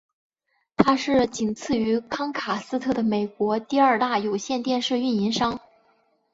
它是仅此于康卡斯特的美国第二大有线电视运营商。